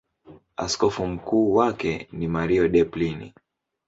Askofu mkuu wake ni Mario Delpini.